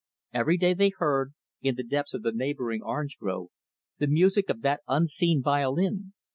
Every day, they heard, in the depths of the neighboring orange grove, the music of that unseen violin.